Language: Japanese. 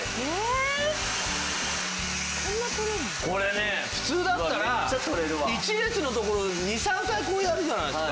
これね普通だったら１列のところ２３回こうやるじゃないですか。